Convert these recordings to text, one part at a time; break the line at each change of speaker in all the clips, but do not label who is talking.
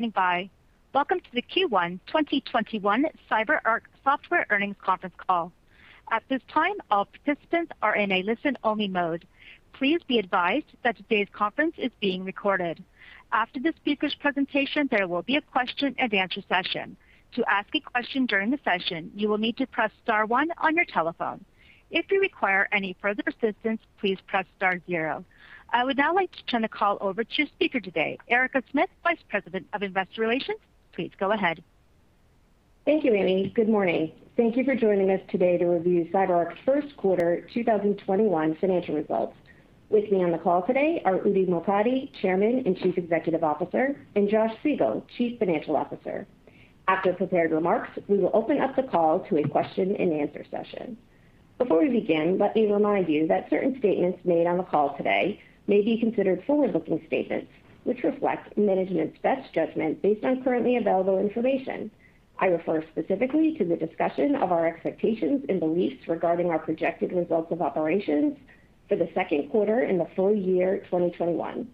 Welcome to the Q1 2021 CyberArk Software Earnings Conference Call. At this time, all participants are in a listen-only mode. Please be advised that today's conference is being recorded. After the speaker's presentation, there will be a question and answer session. To ask a question during the session, you will need to press star one on your telephone. If you require any further assistance, please press star zero. I would now like to turn the call over to your speaker today, Erica Smith, Vice President, Investor Relations. Please go ahead.
Thank you, Amy. Good morning. Thank you for joining us today to review CyberArk's first quarter 2021 financial results. With me on the call today are Udi Mokady, Chairman and Chief Executive Officer, and Josh Siegel, Chief Financial Officer. After prepared remarks, we will open up the call to a question and answer session. Before we begin, let me remind you that certain statements made on the call today may be considered forward-looking statements, which reflect management's best judgment based on currently available information. I refer specifically to the discussion of our expectations and beliefs regarding our projected results of operations for the second quarter and the full year 2021.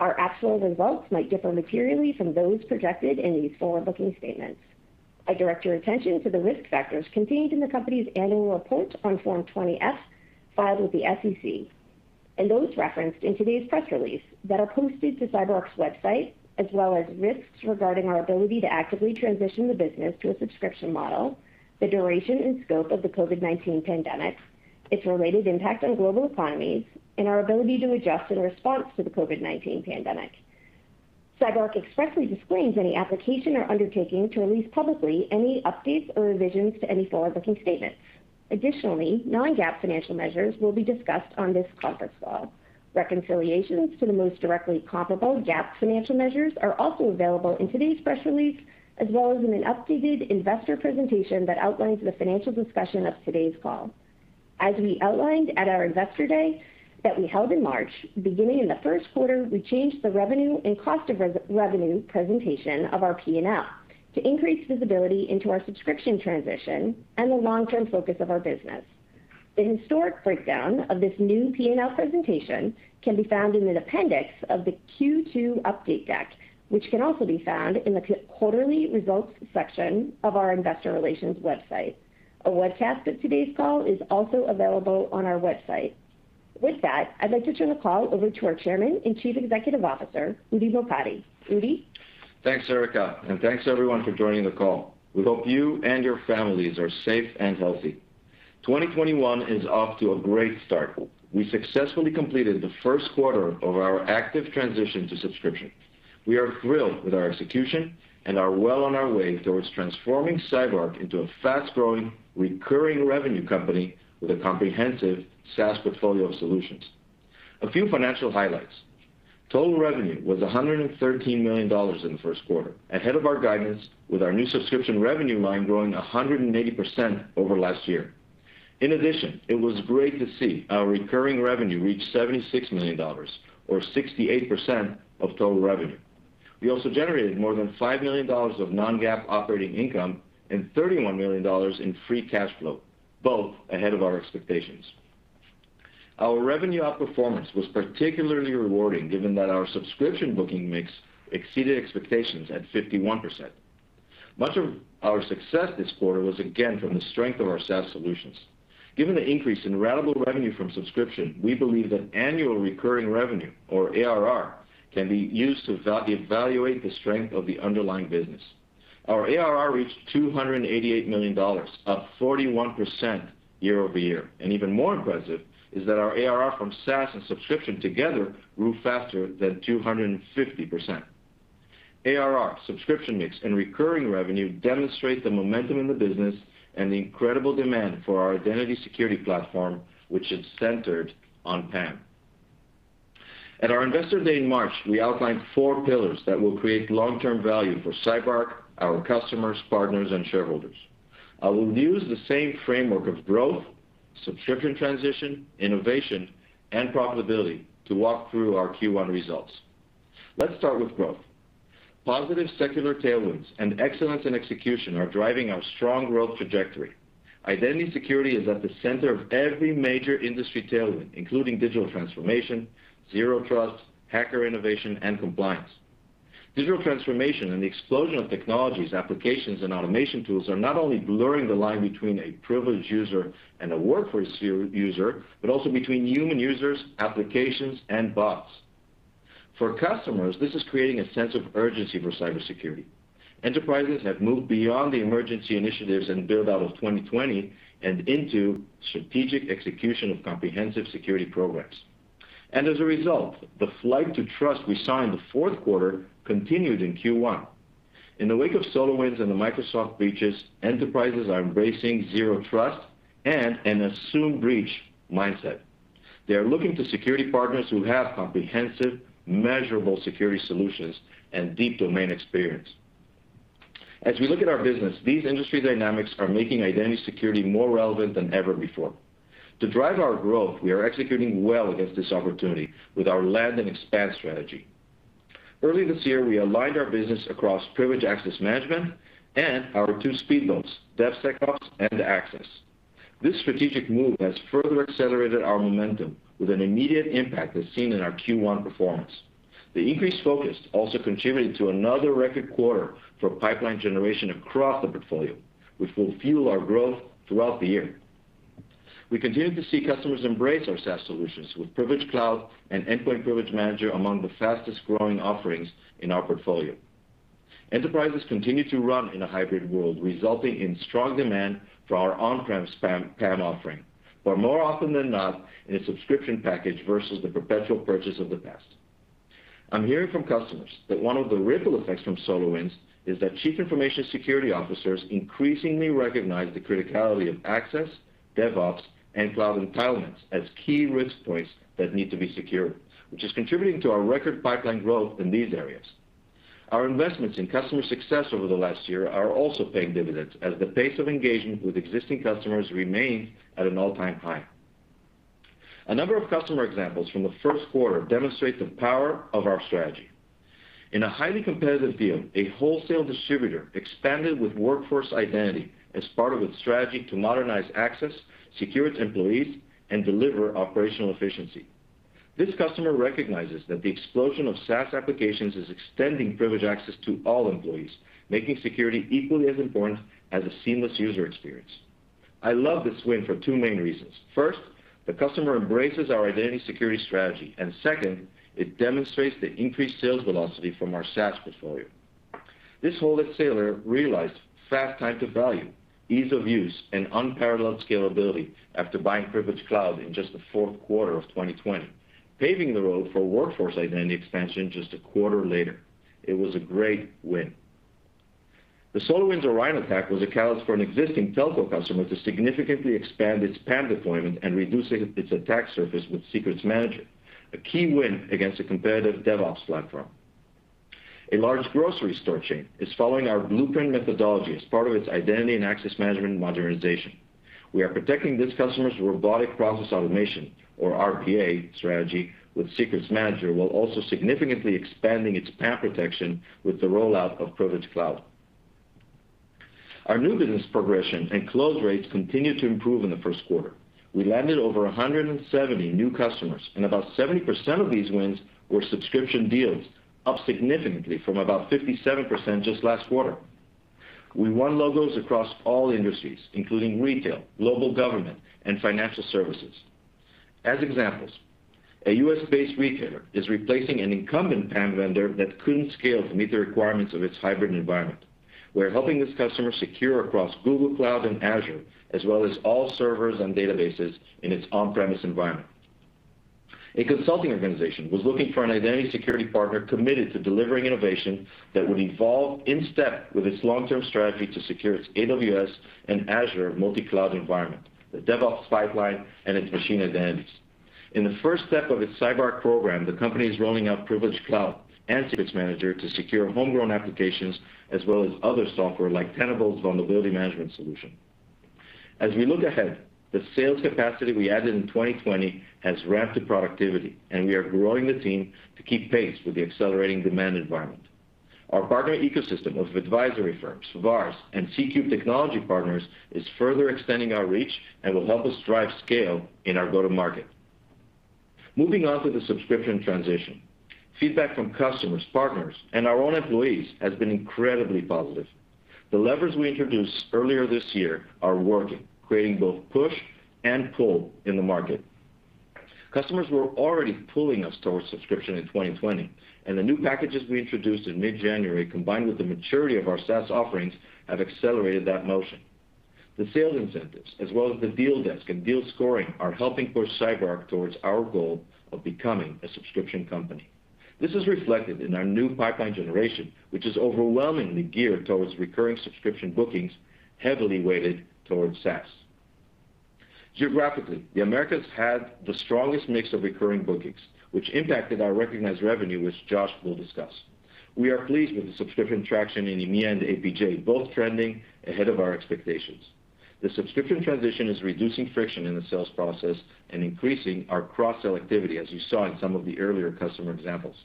Our actual results might differ materially from those projected in these forward-looking statements. I direct your attention to the risk factors contained in the company's annual report on Form 20-F filed with the SEC, and those referenced in today's press release that are posted to CyberArk's website, as well as risks regarding our ability to actively transition the business to a subscription model, the duration and scope of the COVID-19 pandemic, its related impact on global economies, and our ability to adjust in response to the COVID-19 pandemic. CyberArk expressly disclaims any application or undertaking to release publicly any updates or revisions to any forward-looking statements. Additionally, non-GAAP financial measures will be discussed on this conference call. Reconciliations to the most directly comparable GAAP financial measures are also available in today's press release, as well as in an updated investor presentation that outlines the financial discussion of today's call. As we outlined at our Investor Day that we held in March, beginning in the first quarter, we changed the revenue and cost of revenue presentation of our P&L to increase visibility into our subscription transition and the long-term focus of our business. The historic breakdown of this new P&L presentation can be found in an appendix of the Q2 update deck, which can also be found in the quarterly results section of our investor relations website. A webcast of today's call is also available on our website. With that, I'd like to turn the call over to our Chairman and Chief Executive Officer, Udi Mokady. Udi?
Thanks, Erica, and thanks everyone for joining the call. We hope you and your families are safe and healthy. 2021 is off to a great start. We successfully completed the first quarter of our active transition to subscription. We are thrilled with our execution and are well on our way towards transforming CyberArk into a fast-growing, recurring revenue company with a comprehensive SaaS portfolio of solutions. A few financial highlights. Total revenue was $113 million in the first quarter, ahead of our guidance, with our new subscription revenue line growing 180% over last year. In addition, it was great to see our recurring revenue reach $76 million or 68% of total revenue. We also generated more than $5 million of non-GAAP operating income and $31 million in free cash flow, both ahead of our expectations. Our revenue outperformance was particularly rewarding given that our subscription booking mix exceeded expectations at 51%. Much of our success this quarter was again from the strength of our SaaS solutions. Given the increase in ratable revenue from subscription, we believe that annual recurring revenue, or ARR, can be used to evaluate the strength of the underlying business. Our ARR reached $288 million, up 41% year-over-year. Even more impressive is that our ARR from SaaS and subscription together grew faster than 250%. ARR, subscription mix, and recurring revenue demonstrate the momentum in the business and the incredible demand for our Identity Security Platform, which is centered on PAM. At our Investor Day in March, we outlined four pillars that will create long-term value for CyberArk, our customers, partners, and shareholders. I will use the same framework of growth, subscription transition, innovation, and profitability to walk through our Q1 results. Let's start with growth. Positive secular tailwinds and excellence in execution are driving our strong growth trajectory. Identity security is at the center of every major industry tailwind, including digital transformation, zero trust, hacker innovation, and compliance. Digital transformation and the explosion of technologies, applications, and automation tools are not only blurring the line between a privileged user and a workforce user, but also between human users, applications, and bots. For customers, this is creating a sense of urgency for cybersecurity. Enterprises have moved beyond the emergency initiatives and build-out of 2020 and into strategic execution of comprehensive security programs. As a result, the flight to trust we saw in the fourth quarter continued in Q1. In the wake of SolarWinds and the Microsoft breaches, enterprises are embracing zero trust and an assumed breach mindset. They are looking to security partners who have comprehensive, measurable security solutions and deep domain experience. As we look at our business, these industry dynamics are making identity security more relevant than ever before. To drive our growth, we are executing well against this opportunity with our land and expand strategy. Early this year, we aligned our business across Privileged Access Management and our two speedboats, DevSecOps and access. This strategic move has further accelerated our momentum with an immediate impact as seen in our Q1 performance. The increased focus also contributed to another record quarter for pipeline generation across the portfolio, which will fuel our growth throughout the year. We continue to see customers embrace our SaaS solutions with Privilege Cloud and Endpoint Privilege Manager among the fastest-growing offerings in our portfolio. Enterprises continue to run in a hybrid world, resulting in strong demand for our on-prem PAM offering, but more often than not in a subscription package versus the perpetual purchase of the past. I'm hearing from customers that one of the ripple effects from SolarWinds is that chief information security officers increasingly recognize the criticality of access, DevOps, and cloud entitlements as key risk points that need to be secured, which is contributing to our record pipeline growth in these areas. Our investments in customer success over the last year are also paying dividends as the pace of engagement with existing customers remains at an all-time high. A number of customer examples from the first quarter demonstrate the power of our strategy. In a highly competitive field, a wholesale distributor expanded with workforce identity as part of its strategy to modernize access, secure its employees, and deliver operational efficiency. This customer recognizes that the explosion of SaaS applications is extending privilege access to all employees, making security equally as important as a seamless user experience. I love this win for two main reasons. First, the customer embraces our identity security strategy. Second, it demonstrates the increased sales velocity from our SaaS portfolio. This wholesaler realized fast time to value, ease of use, and unparalleled scalability after buying Privilege Cloud in just the fourth quarter of 2020, paving the road for workforce identity expansion just a quarter later. It was a great win. The SolarWinds Orion attack was a catalyst for an existing telco customer to significantly expand its PAM deployment and reducing its attack surface with Secrets Manager, a key win against a competitive DevSecOps platform. A large grocery store chain is following our blueprint methodology as part of its identity and access management modernization. We are protecting this customer's robotic process automation, or RPA strategy, with Secrets Manager, while also significantly expanding its PAM protection with the rollout of Privilege Cloud. Our new business progression and close rates continued to improve in the first quarter. We landed over 170 new customers. About 70% of these wins were subscription deals, up significantly from about 57% just last quarter. We won logos across all industries, including retail, global government, and financial services. As examples, a U.S.-based retailer is replacing an incumbent PAM vendor that couldn't scale to meet the requirements of its hybrid environment. We're helping this customer secure across Google Cloud and Azure, as well as all servers and databases in its on-premise environment. A consulting organization was looking for an identity security partner committed to delivering innovation that would evolve in step with its long-term strategy to secure its AWS and Azure multi-cloud environment, the DevOps pipeline, and its machine identities. In the first step of its CyberArk program, the company is rolling out Privilege Cloud and Secrets Manager to secure homegrown applications as well as other software like Tenable Vulnerability Management Solution. As we look ahead, the sales capacity we added in 2020 has ramped to productivity, and we are growing the team to keep pace with the accelerating demand environment. Our partner ecosystem of advisory firms, VARs, and C3 technology partners is further extending our reach and will help us drive scale in our go-to market. Moving on to the subscription transition. Feedback from customers, partners, and our own employees has been incredibly positive. The levers we introduced earlier this year are working, creating both push and pull in the market. Customers were already pulling us towards subscription in 2020, and the new packages we introduced in mid-January, combined with the maturity of our SaaS offerings, have accelerated that motion. The sales incentives, as well as the deal desk and deal scoring, are helping push CyberArk towards our goal of becoming a subscription company. This is reflected in our new pipeline generation, which is overwhelmingly geared towards recurring subscription bookings, heavily weighted towards SaaS. Geographically, the Americas had the strongest mix of recurring bookings, which impacted our recognized revenue as Josh will discuss. We are pleased with the subscription traction in EMEA and APJ, both trending ahead of our expectations. The subscription transition is reducing friction in the sales process and increasing our cross-sell activity, as you saw in some of the earlier customer examples.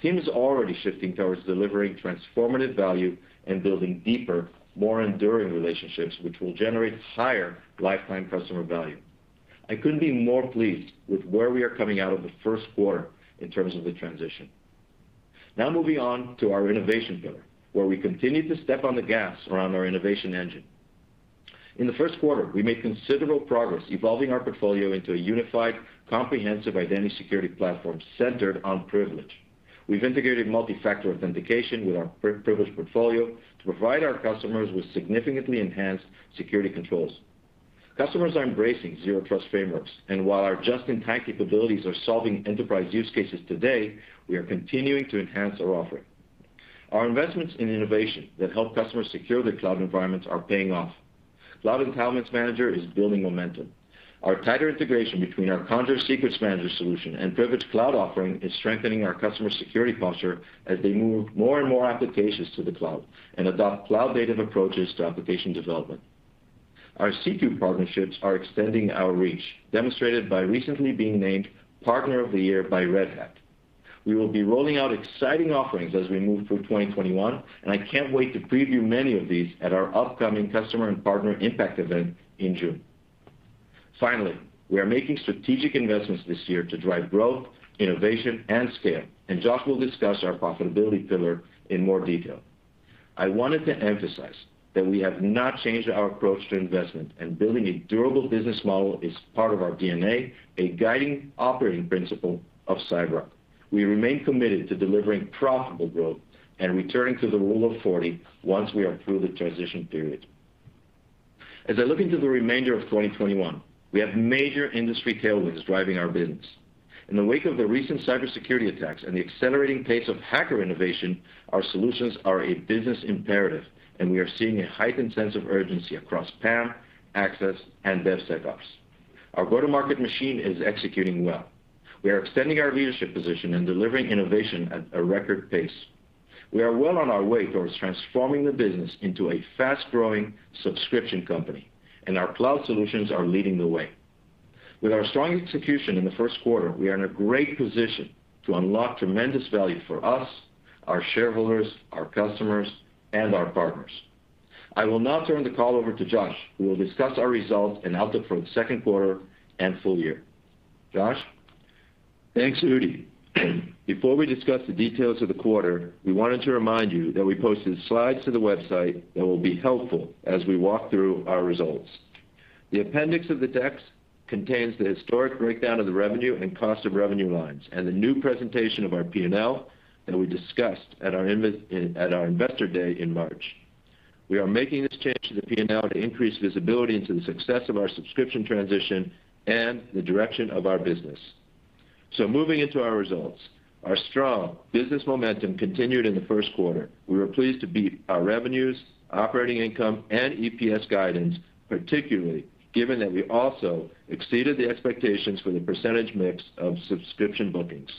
Teams' already shifting towards delivering transformative value and building deeper, more enduring relationships, which will generate higher lifetime customer value. I couldn't be more pleased with where we are coming out of the first quarter in terms of the transition. Moving on to our innovation pillar, where we continue to step on the gas around our innovation engine. In the first quarter, we made considerable progress evolving our portfolio into a unified, comprehensive Identity Security Platform centered on privilege. We've integrated multi-factor authentication with our privileged portfolio to provide our customers with significantly enhanced security controls. Customers are embracing zero trust frameworks, while our just-in-time capabilities are solving enterprise use cases today, we are continuing to enhance our offering. Our investments in innovation that help customers secure their cloud environments are paying off. Cloud Entitlements Manager is building momentum. Our tighter integration between our Conjur Secrets Manager Solution and Privilege Cloud Offering is strengthening our customer security posture as they move more and more applications to the cloud and adopt cloud-native approaches to application development. Our C3 partnerships are extending our reach, demonstrated by recently being named Partner of the Year by Red Hat. We will be rolling out exciting offerings as we move through 2021, I can't wait to preview many of these at our upcoming customer and partner impact event in June. Finally, we are making strategic investments this year to drive growth, innovation, and scale. And Josh will discuss our profitability pillar in more detail. I wanted to emphasize that we have not changed our approach to investment, and building a durable business model is part of our DNA, a guiding operating principle of CyberArk. We remain committed to delivering profitable growth and returning to the Rule of 40 once we are through the transition period. As I look into the remainder of 2021, we have major industry tailwinds driving our business. In the wake of the recent cybersecurity attacks and the accelerating pace of hacker innovation, our solutions are a business imperative, and we are seeing a heightened sense of urgency across PAM, Access, and DevSecOps. Our go-to-market machine is executing well. We are extending our leadership position and delivering innovation at a record pace. We are well on our way towards transforming the business into a fast-growing subscription company, and our cloud solutions are leading the way. With our strong execution in the first quarter, we are in a great position to unlock tremendous value for us, our shareholders, our customers, and our partners. I will now turn the call over to Josh, who will discuss our results and outlook for the second quarter and full year. Josh?
Thanks, Udi. Before we discuss the details of the quarter, we wanted to remind you that we posted slides to the website that will be helpful as we walk through our results. The appendix of the decks contains the historic breakdown of the revenue and cost of revenue lines and the new presentation of our P&L that we discussed at our Investor Day in March. We are making this change to the P&L to increase visibility into the success of our subscription transition and the direction of our business. Moving into our results. Our strong business momentum continued in the first quarter. We were pleased to beat our revenues, operating income, and EPS guidance, particularly given that we also exceeded the expectations for the percentage mix of subscription bookings.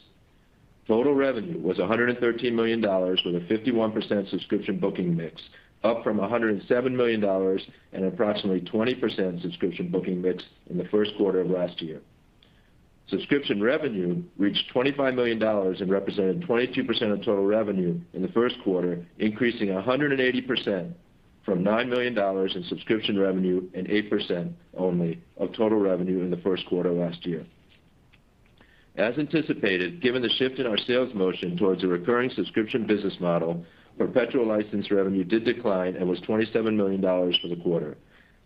Total revenue was $113 million with a 51% subscription booking mix, up from $107 million and approximately 20% subscription booking mix in the first quarter of last year. Subscription revenue reached $25 million and represented 22% of total revenue in the first quarter, increasing 180% from $9 million in subscription revenue and 8% only of total revenue in the first quarter last year. As anticipated, given the shift in our sales motion towards a recurring subscription business model, perpetual license revenue did decline and was $27 million for the quarter.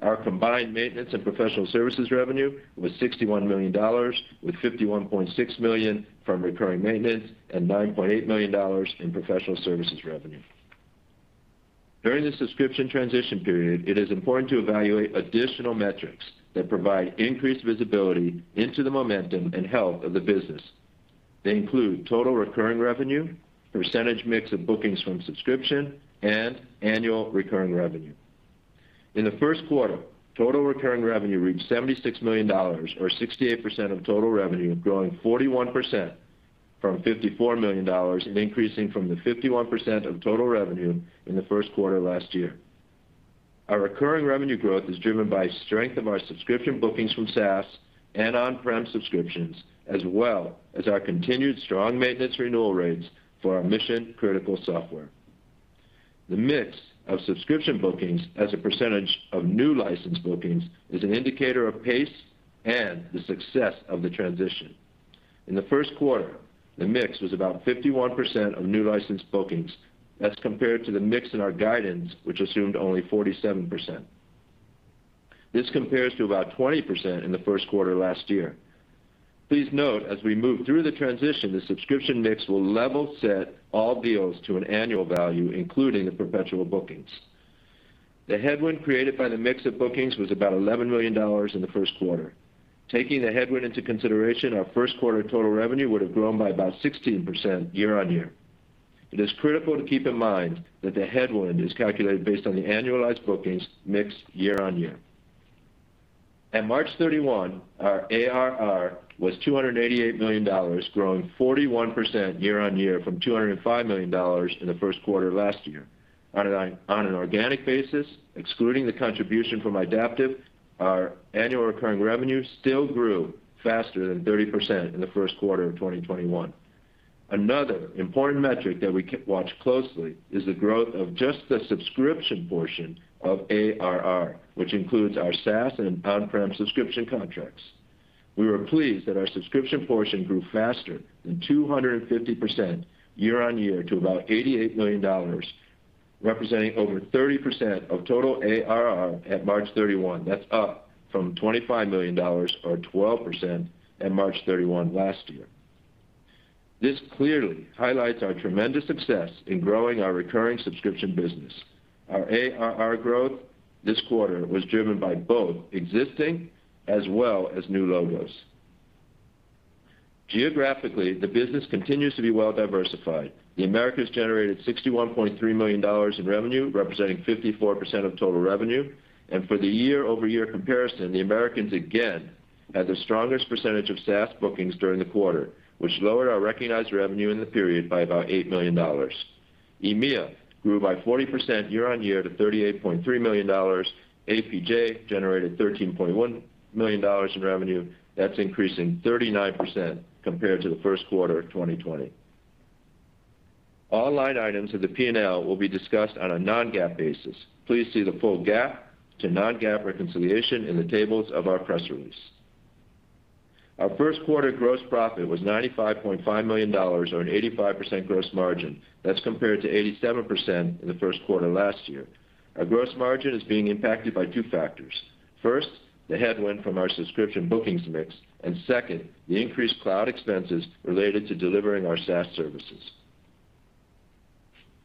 Our combined maintenance and professional services revenue was $61 million, with $51.6 million from recurring maintenance and $9.8 million in professional services revenue. During the subscription transition period, it is important to evaluate additional metrics that provide increased visibility into the momentum and health of the business. They include total recurring revenue, percentage mix of bookings from subscription, and annual recurring revenue. In the first quarter, total recurring revenue reached $76 million, or 68% of total revenue, growing 41% from $54 million and increasing from the 51% of total revenue in the first quarter last year. Our recurring revenue growth is driven by strength of our subscription bookings from SaaS and on-prem subscriptions, as well as our continued strong maintenance renewal rates for our mission-critical software. The mix of subscription bookings as a percentage of new license bookings is an indicator of pace and the success of the transition. In the first quarter, the mix was about 51% of new license bookings. That's compared to the mix in our guidance, which assumed only 47%. This compares to about 20% in the first quarter last year. Please note, as we move through the transition, the subscription mix will level set all deals to an annual value, including the perpetual bookings. The headwind created by the mix of bookings was about $11 million in the first quarter. Taking the headwind into consideration, our first quarter total revenue would have grown by about 16% year-on-year. It is critical to keep in mind that the headwind is calculated based on the annualized bookings mix year-on-year. At March 31, our ARR was $288 million, growing 41% year-on-year from $205 million in the first quarter last year. On an organic basis, excluding the contribution from Idaptive, our Annual Recurring Revenue still grew faster than 30% in the first quarter of 2021. Another important metric that we watch closely is the growth of just the subscription portion of ARR, which includes our SaaS and on-prem subscription contracts. We were pleased that our subscription portion grew faster than 250% year-over-year to about $88 million, representing over 30% of total ARR at March 31. That's up from $25 million or 12% at March 31 last year. This clearly highlights our tremendous success in growing our recurring subscription business. Our ARR growth this quarter was driven by both existing as well as new logos. Geographically, the business continues to be well diversified. The Americas generated $61.3 million in revenue, representing 54% of total revenue. For the year-over-year comparison, the Americas again had the strongest percentage of SaaS bookings during the quarter, which lowered our recognized revenue in the period by about $8 million. EMEA grew by 40% year-over-year to $38.3 million. APJ generated $13.1 million in revenue. That's increasing 39% compared to the first quarter of 2020. All line items of the P&L will be discussed on a non-GAAP basis. Please see the full GAAP to non-GAAP reconciliation in the tables of our press release. Our first quarter gross profit was $95.5 million or an 85% gross margin. That's compared to 87% in the first quarter last year. Our gross margin is being impacted by two factors. First, the headwind from our subscription bookings mix. And second, the increased cloud expenses related to delivering our SaaS services.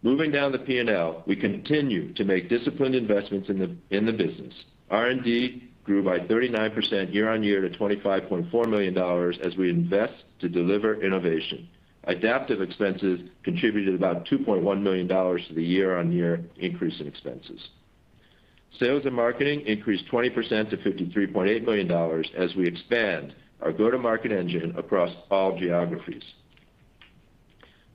Moving down the P&L, we continue to make disciplined investments in the business. R&D grew by 39% year-on-year to $25.4 million as we invest to deliver innovation. Idaptive expenses contributed about $2.1 million to the year-on-year increase in expenses. Sales and marketing increased 20% to $53.8 million as we expand our go-to-market engine across all geographies.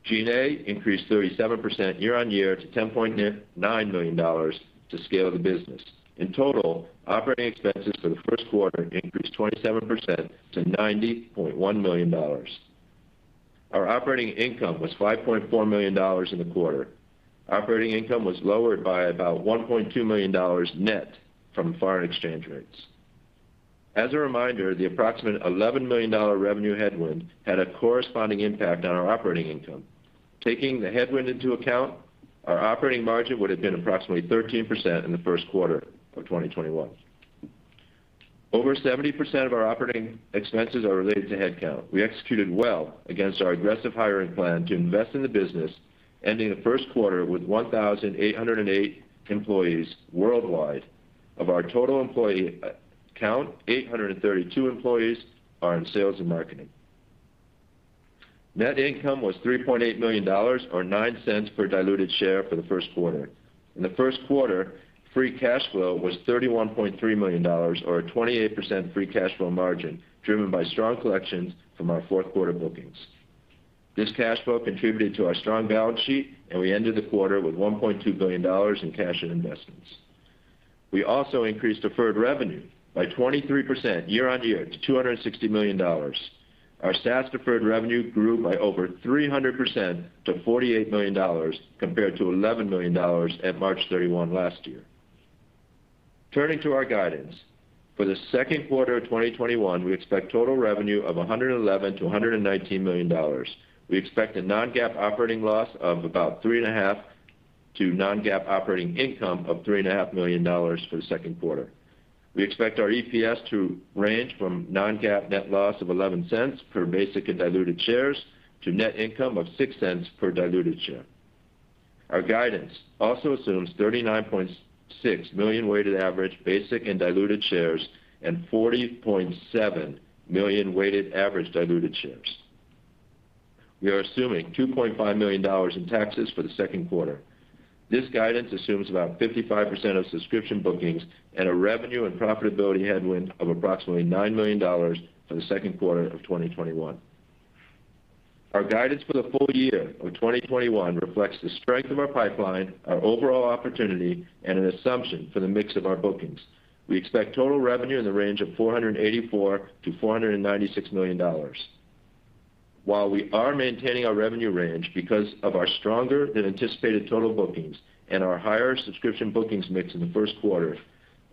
G&A increased 37% year-on-year to $10.9 million to scale the business. In total, operating expenses for the first quarter increased 27% to $90.1 million. Our operating income was $5.4 million in the quarter. Operating income was lowered by about $1.2 million net from foreign exchange rates. As a reminder, the approximate $11 million revenue headwind had a corresponding impact on our operating income. Taking the headwind into account, our operating margin would've been approximately 13% in the first quarter of 2021. Over 70% of our operating expenses are related to headcount. We executed well against our aggressive hiring plan to invest in the business, ending the first quarter with 1,808 employees worldwide. Of our total employee count, 832 employees are in sales and marketing. Net income was $3.8 million, or $0.09 per diluted share for the first quarter. In the first quarter, free cash flow was $31.3 million, or a 28% free cash flow margin driven by strong collections from our fourth quarter bookings. This cash flow contributed to our strong balance sheet, and we ended the quarter with $1.2 billion in cash and investments. We also increased deferred revenue by 23% year-on-year to $260 million. Our SaaS deferred revenue grew by over 300% to $48 million compared to $11 million at March 31 last year. Turning to our guidance. For the second quarter of 2021, we expect total revenue of $111 million-$119 million. We expect a non-GAAP operating loss of about -$3.5 million to non-GAAP operating income of $3.5 million for the second quarter. We expect our EPS to range from non-GAAP net loss of $0.11 per basic and diluted shares to net income of $0.06 per diluted share. Our guidance also assumes 39.6 million weighted average basic and diluted shares and 40.7 million weighted average diluted shares. We are assuming $2.5 million in taxes for the second quarter. This guidance assumes about 55% of subscription bookings and a revenue and profitability headwind of approximately $9 million for the second quarter of 2021. Our guidance for the full year of 2021 reflects the strength of our pipeline, our overall opportunity, and an assumption for the mix of our bookings. We expect total revenue in the range of $484 million-$496 million. While we are maintaining our revenue range because of our stronger than anticipated total bookings and our higher subscription bookings mix in the first quarter,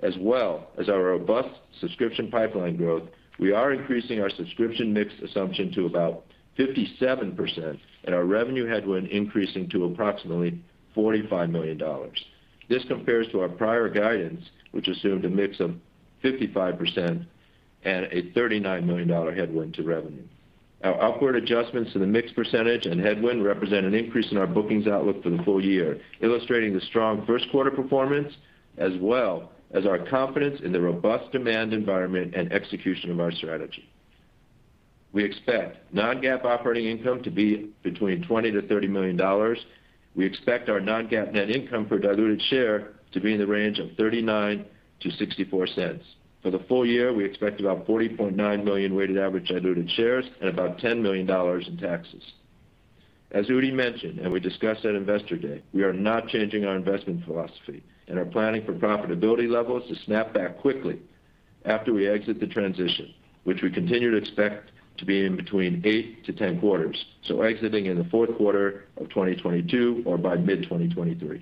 as well as our robust subscription pipeline growth, we are increasing our subscription mix assumption to about 57%, and our revenue headwind increasing to approximately $45 million. This compares to our prior guidance, which assumed a mix of 55% and a $39 million headwind to revenue. Our upward adjustments to the mix percentage and headwind represent an increase in our bookings outlook for the full year, illustrating the strong first quarter performance as well as our confidence in the robust demand environment and execution of our strategy. We expect non-GAAP operating income to be between $20 million-$30 million. We expect our non-GAAP net income per diluted share to be in the range of $0.39-$0.64. For the full year, we expect about $40.9 million weighted average diluted shares and about $10 million in taxes. As we mentioned and we discussed at Investor Day, we are not changing our investment philosophy and are planning for profitability levels to snap back quickly after we exit the transition, which we continue to expect to be in between 8-10 quarters, so exiting in the fourth quarter of 2022 or by mid-2023.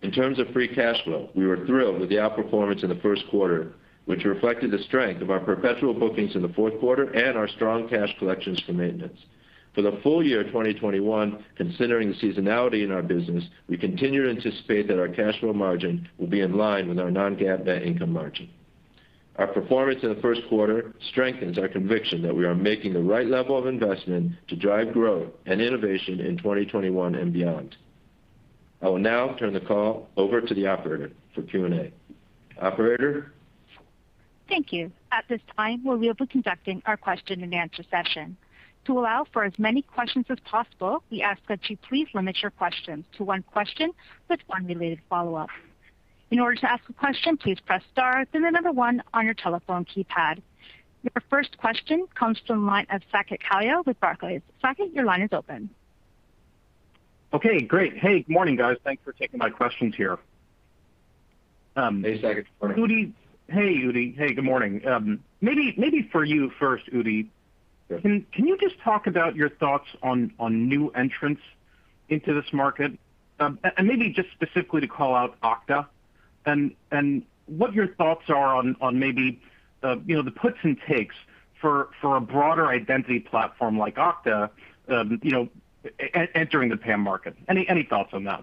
In terms of free cash flow, we were thrilled with the outperformance in the first quarter, which reflected the strength of our perpetual bookings in the fourth quarter and our strong cash collections for maintenance. For the full year 2021, considering the seasonality in our business, we continue to anticipate that our cash flow margin will be in line with our non-GAAP net income margin. Our performance in the first quarter strengthens our conviction that we are making the right level of investment to drive growth and innovation in 2021 and beyond. I will now turn the call over to the operator for Q&A. Operator?
Thank you. At this time, we'll be able to conducting our question and answer session. To allow for as many questions as possible, we ask that you please limit your questions to one question with one related follow-up. In order to ask a question, please press star one on your telephone keypad. Your first question comes from the line of Saket Kalia with Barclays. Saket, your line is open.
Okay, great. Hey, good morning, guys. Thanks for taking my questions here.
Hey, Saket. Good morning.
Udi. Hey, Udi. Hey, good morning. Maybe for you first, Udi.
Sure.
Can you just talk about your thoughts on new entrants into this market? Maybe just specifically to call out Okta and what your thoughts are on maybe the puts and takes for a broader identity platform like Okta entering the PAM market? Any thoughts on that?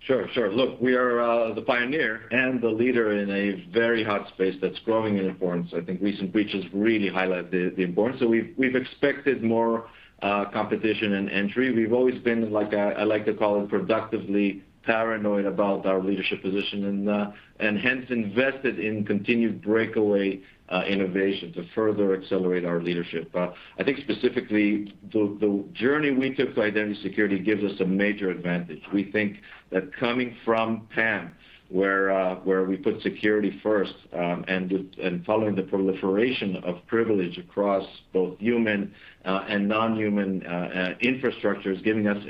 Sure. Look, we are the pioneer and the leader in a very hot space that's growing in importance. I think recent breaches really highlight the importance. We've expected more competition and entry. We've always been, I like to call it productively paranoid about our leadership position and hence invested in continued breakaway innovation to further accelerate our leadership. I think specifically the journey we took to Identity Security gives us a major advantage. We think that coming from PAM, where we put security first, and following the proliferation of privilege across both human and non-human infrastructure is giving us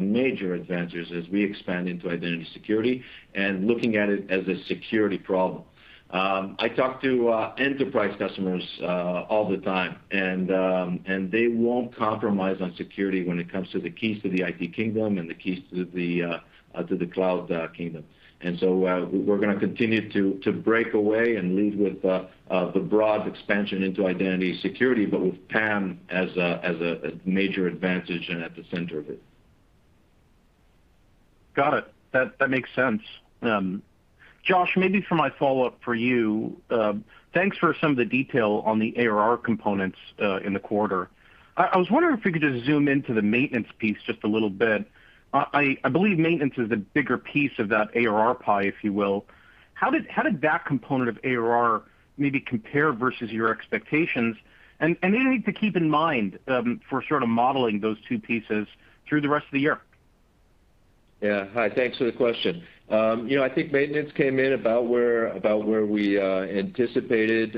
major advantages as we expand into Identity Security and looking at it as a security problem. I talk to enterprise customers all the time, they won't compromise on security when it comes to the keys to the IT Kingdom and the keys to the Cloud Kingdom. We're going to continue to break away and lead with the broad expansion into identity security, but with PAM as a major advantage and at the center of it.
Got it. That makes sense. Josh, maybe for my follow-up for you, thanks for some of the detail on the ARR components in the quarter. I was wondering if we could just zoom into the maintenance piece just a little bit. I believe maintenance is a bigger piece of that ARR pie, if you will. How did that component of ARR maybe compare versus your expectations, and anything to keep in mind for sort of modeling those two pieces through the rest of the year?
Yeah. Hi, thanks for the question. I think maintenance came in about where we anticipated,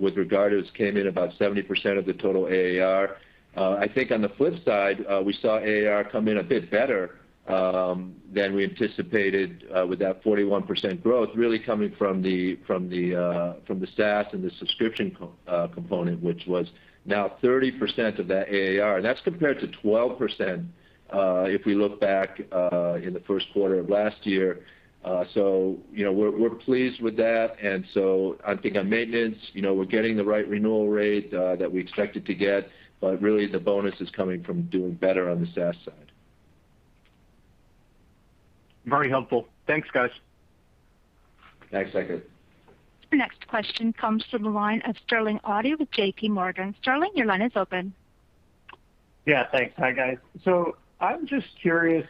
with regard it came in about 70% of the total ARR. I think on the flip side, we saw ARR come in a bit better than we anticipated, with that 41% growth really coming from the SaaS and the subscription component, which was now 30% of that ARR. That's compared to 12%, if we look back in the first quarter of last year. We're pleased with that, I think on maintenance we're getting the right renewal rate that we expected to get, but really the bonus is coming from doing better on the SaaS side.
Very helpful. Thanks, guys.
Thanks, Saket.
Your next question comes from the line of Sterling Auty with JP Morgan. Sterling, your line is open.
Yeah, thanks. Hi, guys. I'm just curious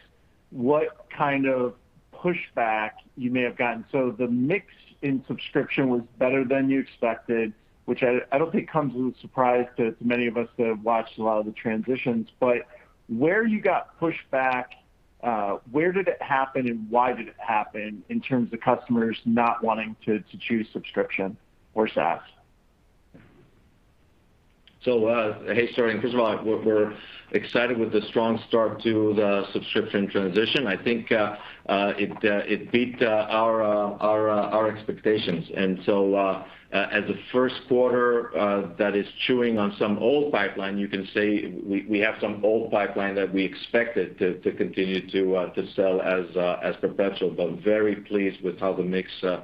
what kind of pushback you may have gotten. The mix in subscription was better than you expected, which I don't think comes as a surprise to many of us that have watched a lot of the transitions. Where you got pushback, where did it happen, and why did it happen in terms of customers not wanting to choose subscription or SaaS?
Hey, Sterling. First of all, we're excited with the strong start to the subscription transition. I think it beat our expectations. As a first quarter that is chewing on some old pipeline, you can say we have some old pipeline that we expected to continue to sell as perpetual, but very pleased with how the mix has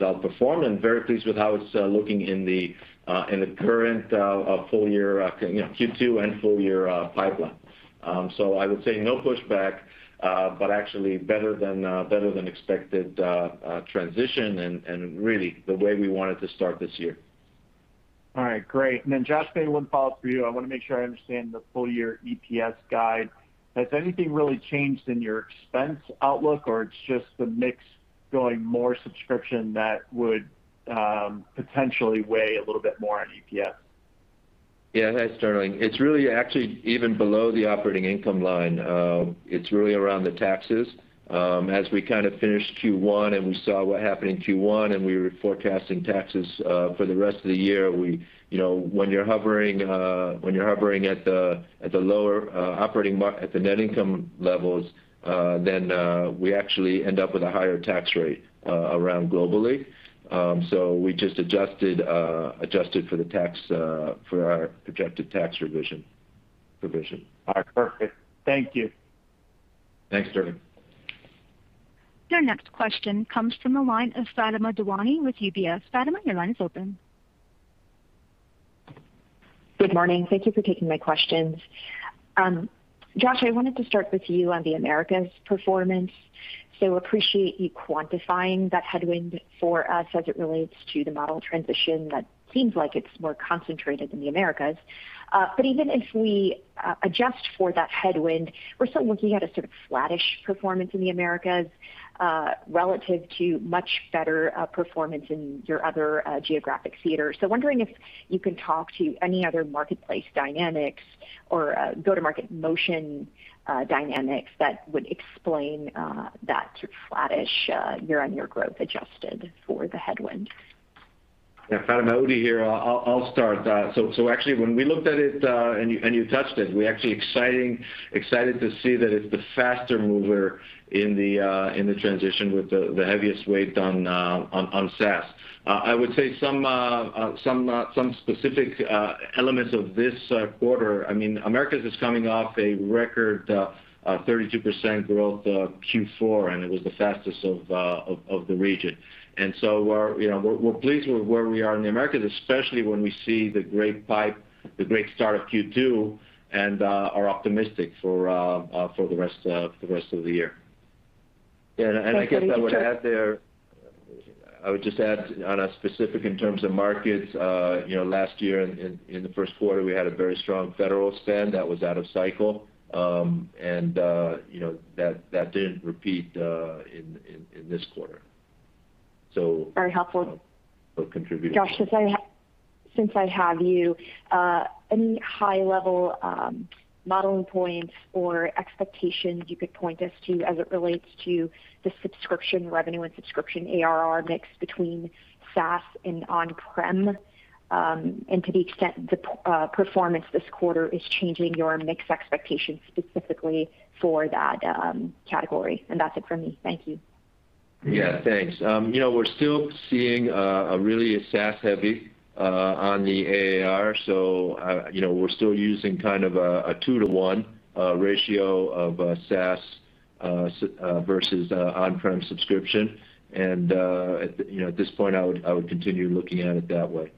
outperformed and very pleased with how it's looking in the current full year Q2 and full year pipeline. I would say no pushback, but actually better than expected transition and really the way we wanted to start this year.
All right, great. Josh, maybe one follow-up for you. I want to make sure I understand the full year EPS guide. Has anything really changed in your expense outlook, or it's just the mix going more subscription that would potentially weigh a little bit more on EPS?
Yeah. Hi, Sterling. It's really actually even below the operating income line. It's really around the taxes. We kind of finished Q1 and we saw what happened in Q1 and we were forecasting taxes for the rest of the year, when you're hovering at the lower operating at the net income levels, we actually end up with a higher tax rate around globally. We just adjusted for our projected tax revision provision.
All right, perfect. Thank you.
Thanks, Sterling.
Your next question comes from the line of Fatima Boolani with UBS. Fatima, your line is open.
Good morning. Thank you for taking my questions. Josh, I wanted to start with you on the Americas performance. Appreciate you quantifying that headwind for us as it relates to the model transition. That seems like it's more concentrated in the Americas. Even if we adjust for that headwind, we're still looking at a sort of flattish performance in the Americas, relative to much better performance in your other geographic theaters. Wondering if you can talk to any other marketplace dynamics or go-to-market motion dynamics that would explain that sort of flattish year-on-year growth adjusted for the headwinds.
Udi Mokady here, I'll start. Actually, when we looked at it, and you touched it, we're actually excited to see that it's the faster mover in the transition with the heaviest weight on SaaS. I would say some specific elements of this quarter, Americas is coming off a record 32% growth Q4. It was the fastest of the region. We're pleased with where we are in the Americas, especially when we see the great pipe, the great start of Q2, and are optimistic for the rest of the year.
Yeah, I guess I would add there, I would just add on a specific in terms of markets, last year in the first quarter, we had a very strong federal spend that was out of cycle. That didn't repeat in this quarter.
Very helpful.
Contributing.
Josh, since I have you, any high level modeling points or expectations you could point us to as it relates to the subscription revenue and subscription ARR mix between SaaS and on-prem, to the extent the performance this quarter is changing your mix expectations specifically for that category? That's it for me. Thank you.
Yeah, thanks. We're still seeing a really a SaaS heavy on the ARR, we're still using kind of a two to one ratio of SaaS versus on-prem subscription. At this point, I would continue looking at it that way.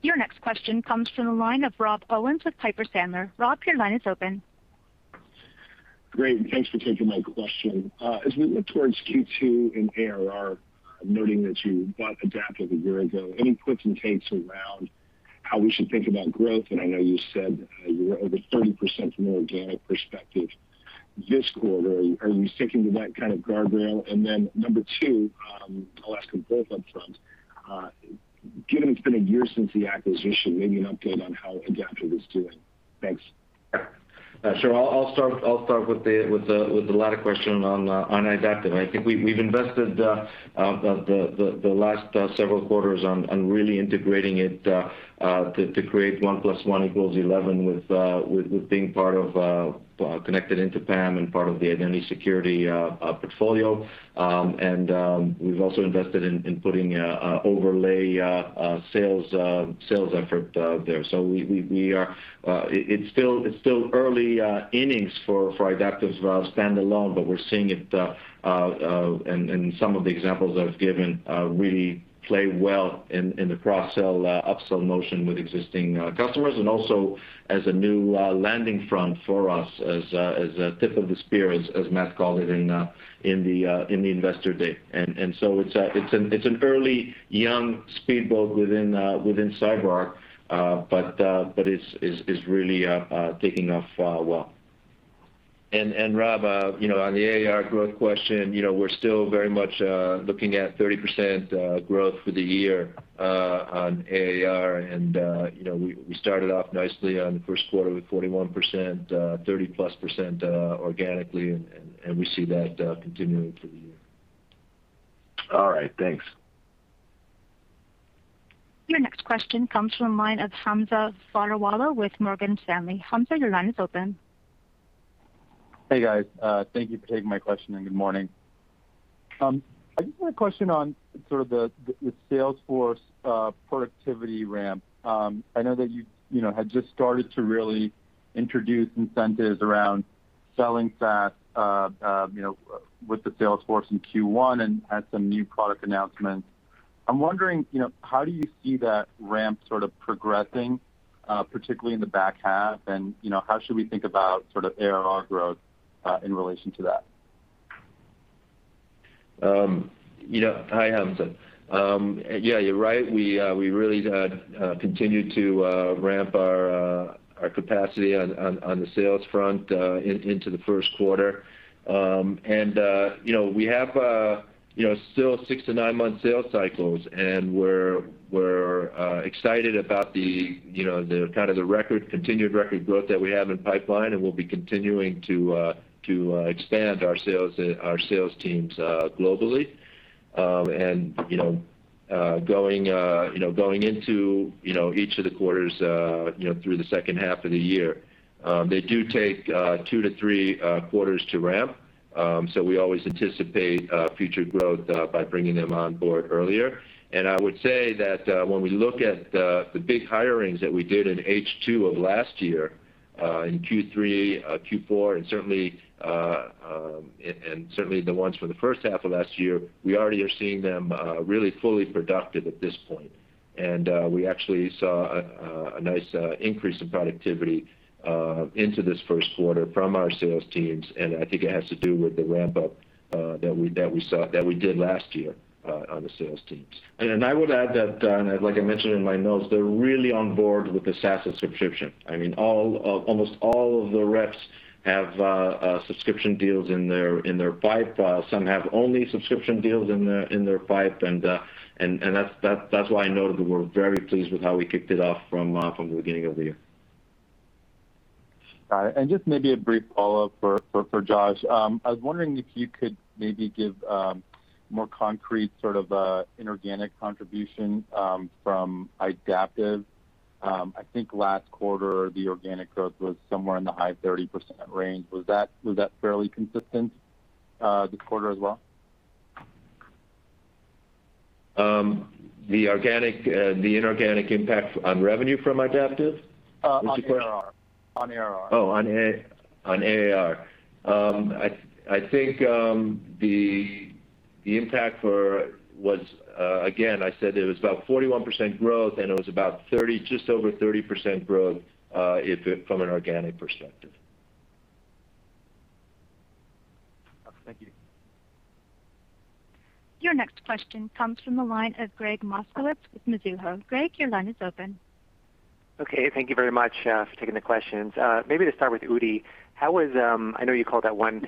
Your next question comes from the line of Rob Owens with Piper Sandler. Rob, your line is open.
Great. Thanks for taking my question. As we look towards Q2 and ARR, noting that you bought Idaptive a year ago, any puts and takes around how we should think about growth? I know you said you were over 30% from an organic perspective this quarter. Are you sticking to that kind of guardrail? Number two, I'll ask on both up fronts, given it's been a year since the acquisition, maybe an update on how Idaptive is doing. Thanks.
Sure. I'll start with the latter question on Idaptive. I think we've invested the last several quarters on really integrating it to create one plus one equals 11 with being part of connected into PAM and part of the identity security portfolio. We've also invested in putting overlay sales effort there. It's still early innings for Idaptive's standalone, but we're seeing it in some of the examples I've given really play well in the cross-sell, upsell motion with existing customers, and also as a new landing front for us as a tip of the spear, as Matt called it in the Investor Day. It's an early young Speedboat within CyberArk. It's really taking off well.
Rob, on the ARR growth question, we're still very much looking at 30% growth for the year on ARR. We started off nicely on the first quarter with 41%, 30%+ organically, and we see that continuing through the year.
All right, thanks.
Your next question comes from the line of Hamza Fodderwala with Morgan Stanley. Hamza, your line is open.
Hey, guys. Thank you for taking my question, and good morning. I just had a question on sort of the sales force productivity ramp. I know that you had just started to really introduce incentives around selling SaaS with the sales force in Q1 and had some new product announcements. I'm wondering, how do you see that ramp sort of progressing, particularly in the back half? How should we think about sort of ARR growth in relation to that?
Hi, Hamza. Yeah, you're right. We really continued to ramp our capacity on the sales front into the first quarter. We have still six to nine-month sales cycles. We're excited about the kind of continued record growth that we have in pipeline. We'll be continuing to expand our sales teams globally. Going into each of the quarters through the second half of the year. They do take two to three quarters to ramp. We always anticipate future growth by bringing them on board earlier. I would say that when we look at the big hirings that we did in H2 of last year, in Q3, Q4, and certainly the ones from the first half of last year, we already are seeing them really fully productive at this point. We actually saw a nice increase in productivity into this first quarter from our sales teams, and I think it has to do with the ramp up that we did last year on the sales teams.
I would add that, like I mentioned in my notes, they're really on board with the SaaS subscription. Almost all of the reps have subscription deals in their pipe. Some have only subscription deals in their pipe. That's why I noted that we're very pleased with how we kicked it off from the beginning of the year.
Got it. Just maybe a brief follow-up for Josh. I was wondering if you could maybe give a more concrete sort of inorganic contribution from Idaptive. I think last quarter the organic growth was somewhere in the high 30% range. Was that fairly consistent this quarter as well?
The organic and inorganic impact on revenue from Idaptive?
On ARR.
Oh, on ARR. I think the impact was, again, I said it was about 41% growth and it was about just over 30% growth from an organic perspective.
Thank you.
Your next question comes from the line of Gregg Moskowitz with Mizuho. Gregg, your line is open.
Okay. Thank you very much for taking the questions. Maybe to start with Udi. I know you called that one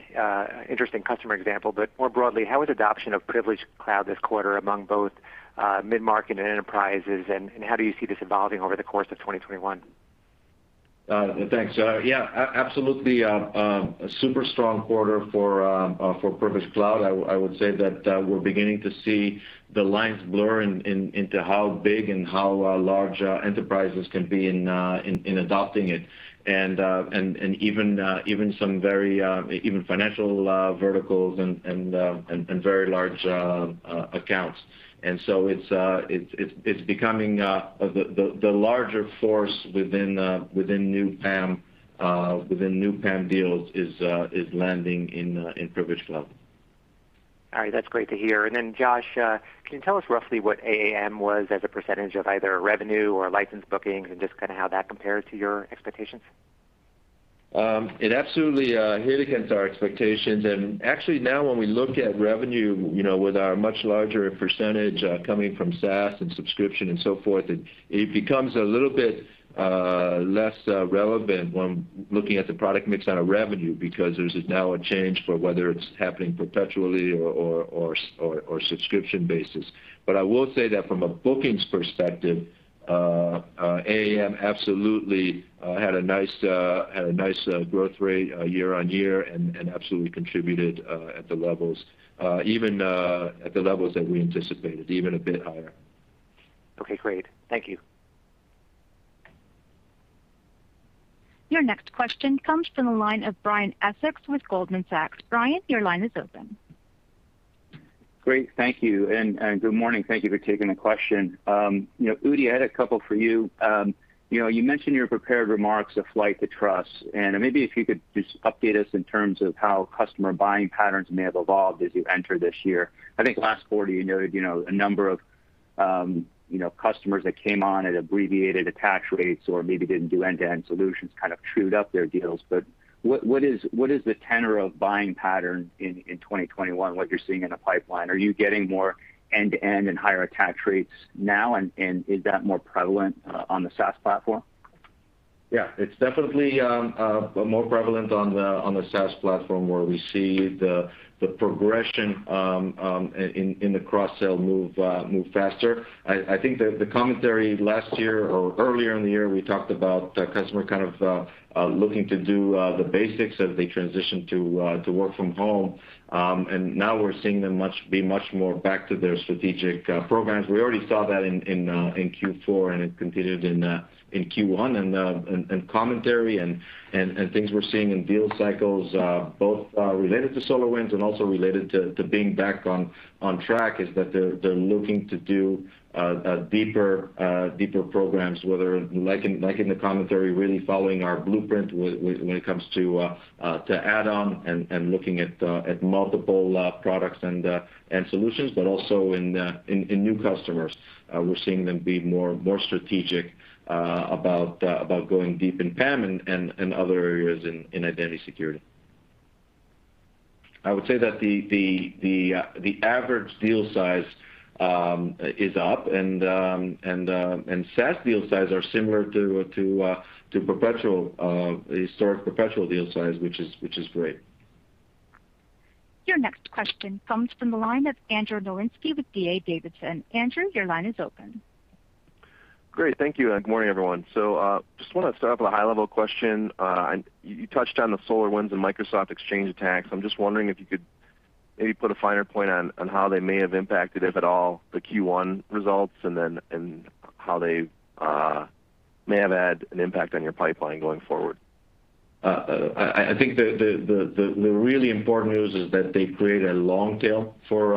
interesting customer example, but more broadly, how was adoption of Privilege Cloud this quarter among both mid-market and enterprises, and how do you see this evolving over the course of 2021?
Thanks. Yeah, absolutely. A super strong quarter for Privilege Cloud. I would say that we're beginning to see the lines blur into how big and how large enterprises can be in adopting it. Even some very financial verticals and very large accounts. It's becoming the larger force within new PAM deals is landing in Privilege Cloud.
All right. That's great to hear. Then Josh, can you tell us roughly what AAM was as a percentage of either revenue or licensed bookings and just kind of how that compared to your expectations?
It absolutely hit against our expectations. Actually now when we look at revenue, with our much larger percentage coming from SaaS and subscription and so forth, it becomes a little bit less relevant when looking at the product mix on a revenue because there's now a change for whether it's happening perpetually or subscription basis. I will say that from a bookings perspective, AAM absolutely had a nice growth rate year-over-year and absolutely contributed at the levels that we anticipated, even a bit higher.
Okay, great. Thank you.
Your next question comes from the line of Brian Essex with Goldman Sachs. Brian, your line is open.
Great. Thank you. Good morning. Thank you for taking the question. Udi, I had a couple for you. You mentioned in your prepared remarks a flight to trust. Maybe if you could just update us in terms of how customer buying patterns may have evolved as you enter this year. I think last quarter you noted a number of customers that came on at abbreviated attach rates or maybe didn't do end-to-end solutions kind of trued up their deals. What is the tenor of buying pattern in 2021, what you're seeing in the pipeline? Are you getting more end-to-end and higher attach rates now and is that more prevalent on the SaaS platform?
Yeah, it's definitely more prevalent on the SaaS platform where we see the progression in the cross-sell move faster. I think the commentary last year or earlier in the year, we talked about customer kind of looking to do the basics as they transition to work from home. Now we're seeing them be much more back to their strategic programs. We already saw that in Q4 and it continued in Q1. Commentary and things we're seeing in deal cycles, both related to SolarWinds and also related to being back on track, is that they're looking to do deeper programs, whether like in the commentary, really following our blueprint when it comes to add-on and looking at multiple products and solutions, but also in new customers. We're seeing them be more strategic about going deep in PAM and other areas in identity security. I would say that the average deal size is up and SaaS deal size are similar to historic perpetual deal size, which is great.
Your next question comes from the line of Andrew Nowinski with D.A. Davidson. Andrew, your line is open.
Great. Thank you, good morning, everyone. Just want to start off with a high-level question. You touched on the SolarWinds and Microsoft Exchange attacks. I'm just wondering if you could maybe put a finer point on how they may have impacted, if at all, the Q1 results, and how they may have had an impact on your pipeline going forward.
I think the really important news is that they create a long tail for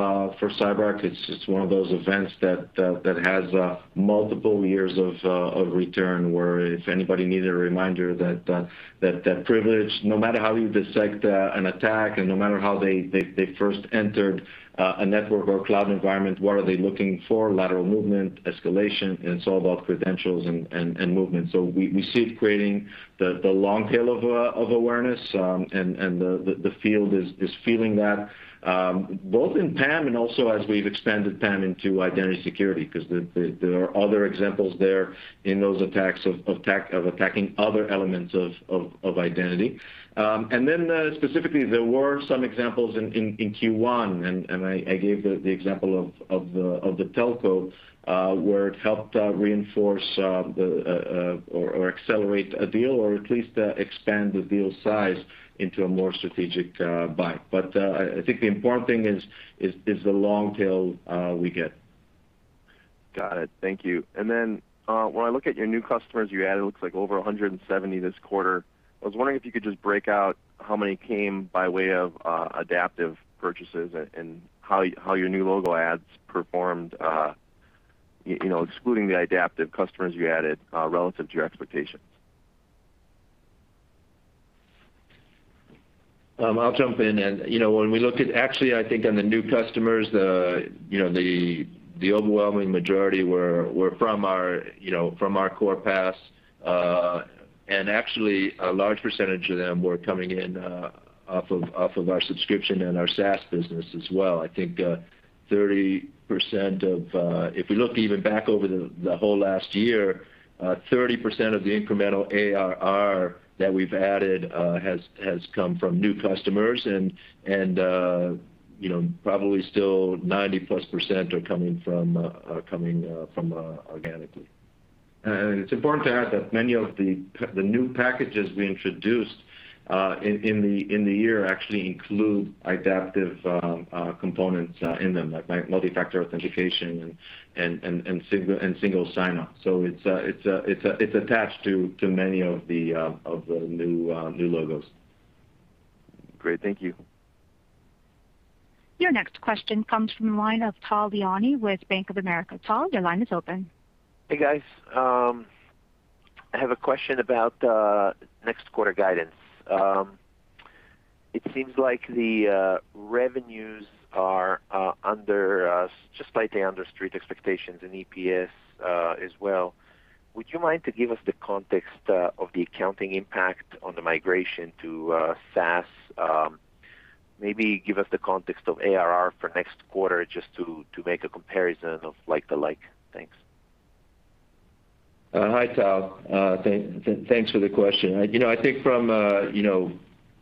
CyberArk. It's just one of those events that has multiple years of return, where if anybody needed a reminder that privilege, no matter how you dissect an attack and no matter how they first entered a network or cloud environment, what are they looking for? Lateral movement, escalation, and it's all about credentials and movement. We see it creating the long tail of awareness, and the field is feeling that both in PAM and also as we've expanded PAM into identity security, because there are other examples there in those attacks of attacking other elements of identity. Specifically, there were some examples in Q1, and I gave the example of the telco, where it helped reinforce or accelerate a deal or at least expand the deal size into a more strategic buy. I think the important thing is the long tail we get.
Got it. Thank you. When I look at your new customers you added, it looks like over 170 this quarter, I was wondering if you could just break out how many came by way of Idaptive purchases and how your new logo adds performed, excluding the Idaptive customers you added relative to your expectations.
I'll jump in. When we look at actually, I think on the new customers, the overwhelming majority were from our core PAM. Actually, a large percentage of them were coming in off of our subscription and our SaaS business as well. I think if we look even back over the whole last year, 30% of the incremental ARR that we've added has come from new customers, and probably still 90-plus% are coming from organically.
It's important to add that many of the new packages we introduced in the year actually include Idaptive components in them, like multi-factor authentication and single sign-on. It's attached to many of the new logos.
Great. Thank you.
Your next question comes from the line of Tal Liani with Bank of America. Tal, your line is open.
Hey, guys. I have a question about next quarter guidance. It seems like the revenues are just slightly under street expectations in EPS as well. Would you mind to give us the context of the accounting impact on the migration to SaaS? Maybe give us the context of ARR for next quarter just to make a comparison of like to like. Thanks.
Hi, Tal. Thanks for the question. I think from,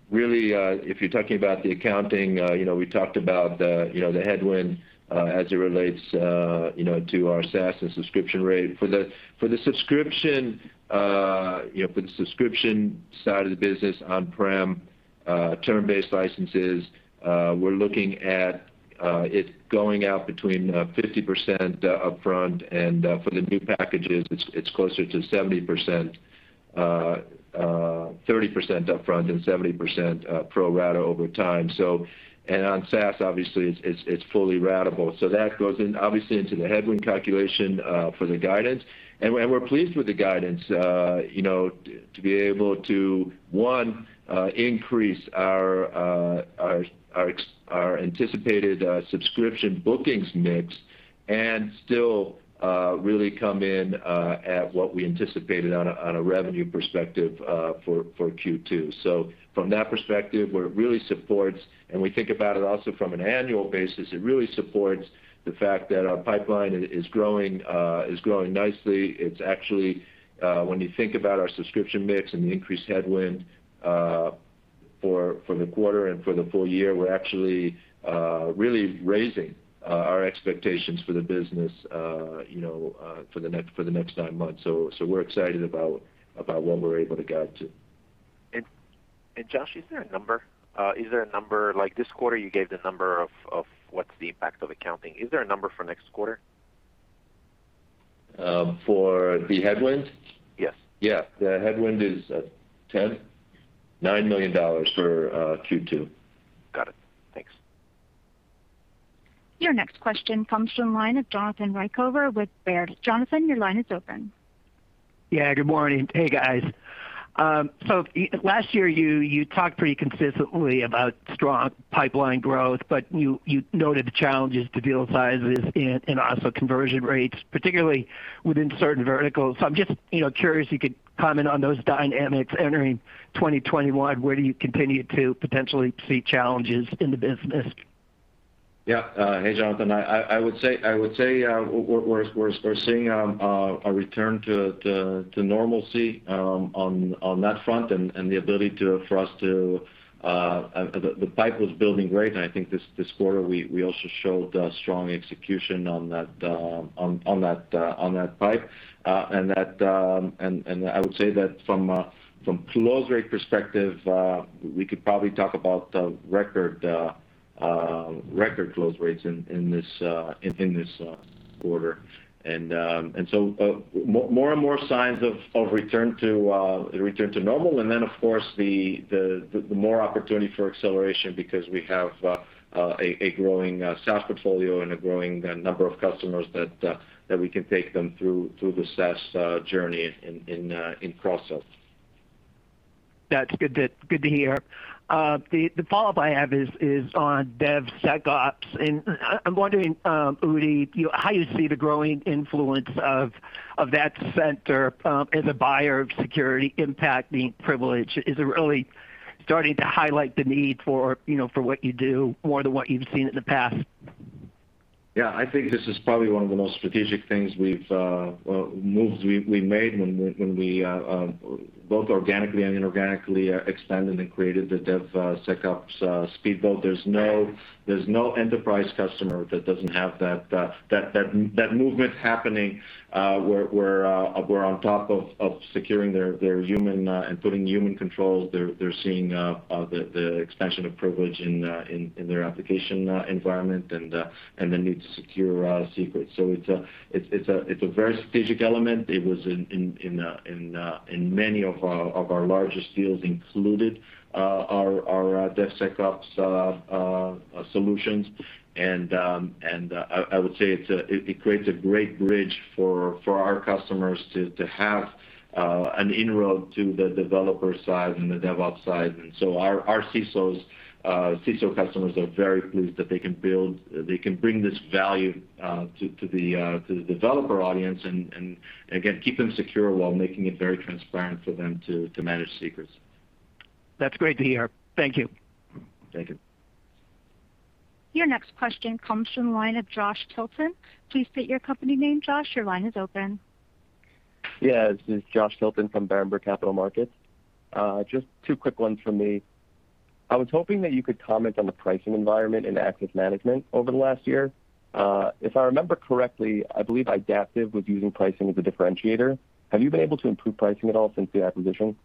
really, if you're talking about the accounting, we talked about the headwind as it relates to our SaaS and subscription rate. For the subscription side of the business, on-prem, term-based licenses, we're looking at it going out between 50% upfront, and for the new packages, it's closer to 70%. 30% upfront and 70% pro rata over time. On SaaS, obviously, it's fully ratable. That goes in, obviously, into the headwind calculation for the guidance. We're pleased with the guidance, to be able to, one, increase our anticipated subscription bookings mix and still really come in at what we anticipated on a revenue perspective for Q2. From that perspective, where it really supports, and we think about it also from an annual basis, it really supports the fact that our pipeline is growing nicely. It's actually, when you think about our subscription mix and the increased headwind for the quarter and for the full year, we're actually really raising our expectations for the business for the next nine months. We're excited about what we're able to guide to.
Josh, is there a number? Like this quarter, you gave the number of what's the impact of accounting. Is there a number for next quarter?
For the headwind?
Yes.
Yeah. The headwind is 10, $9 million for Q2.
Got it. Thanks.
Your next question comes from line of Jonathan Ruykhaver with Baird. Jonathan, your line is open.
Yeah, good morning. Hey, guys. Last year, you talked pretty consistently about strong pipeline growth, but you noted the challenges to deal sizes and also conversion rates, particularly within certain verticals. I'm just curious if you could comment on those dynamics entering 2021. Where do you continue to potentially see challenges in the business?
Yeah. Hey, Jonathan. I would say we're seeing a return to normalcy on that front. The pipe was building great, and I think this quarter, we also showed strong execution on that pipe. I would say that from close rate perspective, we could probably talk about record close rates in this quarter. More and more signs of return to normal, and then, of course, the more opportunity for acceleration because we have a growing SaaS portfolio and a growing number of customers that we can take them through the SaaS journey in cross-sell.
That's good to hear. The follow-up I have is on DevSecOps, and I'm wondering, Udi, how you see the growing influence of that center as a buyer of security impacting privilege? Is it really starting to highlight the need for what you do more than what you've seen in the past?
Yeah, I think this is probably one of the most strategic things we made when we both organically and inorganically expanded and created the DevSecOps Speedboat. There's no enterprise customer that doesn't have that movement happening, where on top of securing their human and putting human controls, they're seeing the expansion of privilege in their application environment and the need to secure secrets. It's a very strategic element. It was in many of our largest deals included our DevSecOps solutions. I would say it creates a great bridge for our customers to have an in-road to the developer side and the DevOps side. Our CISO customers are very pleased that they can bring this value to the developer audience and, again, keep them secure while making it very transparent for them to manage secrets.
That's great to hear. Thank you.
Thank you.
Your next question comes from the line of Josh Tilton. Please state your company name, Josh. Your line is open.
Yeah, this is Josh Tilton from Berenberg Capital Markets. Just two quick ones from me. I was hoping that you could comment on the pricing environment in access management over the last year. If I remember correctly, I believe Idaptive was using pricing as a differentiator. Have you been able to improve pricing at all since the acquisition?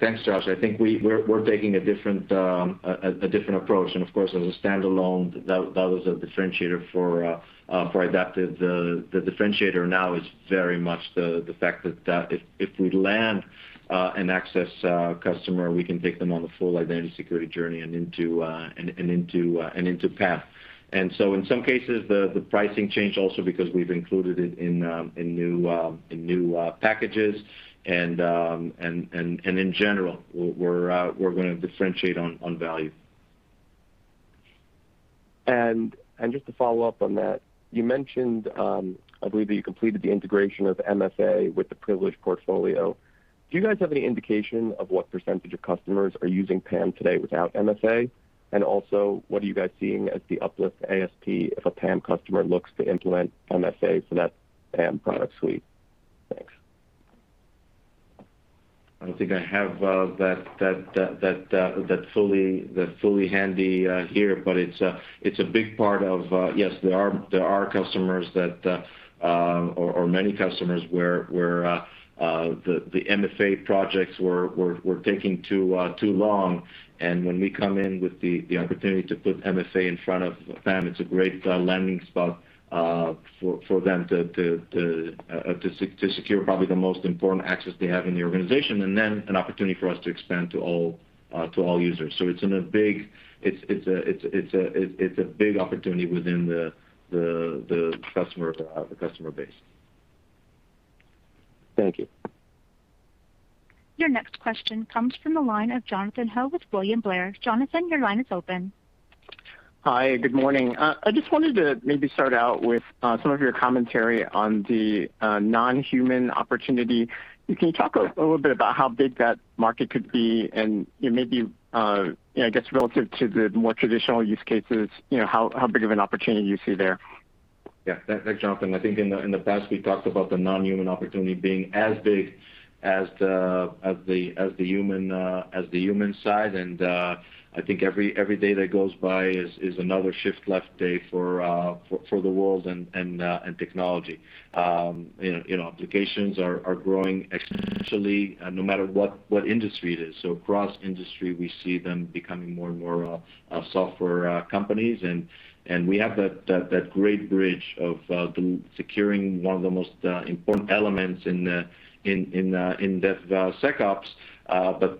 Thanks, Josh. I think we're taking a different approach. Of course, as a standalone, that was a differentiator for Idaptive. The differentiator now is very much the fact that if we land an access customer, we can take them on the full identity security journey and into PAM. In some cases, the pricing changed also because we've included it in new packages. In general, we're going to differentiate on value.
Just to follow up on that, you mentioned, I believe that you completed the integration of MFA with the privilege portfolio. Do you guys have any indication of what percent of customers are using PAM today without MFA? Also, what are you guys seeing as the uplift ASP if a PAM customer looks to implement MFA for that PAM product suite? Thanks.
I don't think I have that fully handy here, but it's a big part of Yes, there are customers that, or many customers where the MFA projects were taking too long, and when we come in with the opportunity to put MFA in front of PAM, it's a great landing spot for them to secure probably the most important access they have in the organization, and then an opportunity for us to expand to all users. It's a big opportunity within the customer base.
Thank you.
Your next question comes from the line of Jonathan Ho with William Blair. Jonathan, your line is open.
Hi. Good morning. I just wanted to maybe start out with some of your commentary on the non-human opportunity. Can you talk a little bit about how big that market could be and maybe, I guess, relative to the more traditional use cases, how big of an opportunity you see there?
Yeah. Thanks, Jonathan. I think in the past, we talked about the non-human opportunity being as big as the human side. I think every day that goes by is another shift left day for the world and technology. Applications are growing exponentially no matter what industry it is. Across industry, we see them becoming more and more software companies. We have that great bridge of securing one of the most important elements in DevSecOps, but